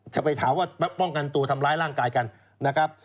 จะไปถามว่าป้องกันตัวทำร้ายร่างกายกันนะครับ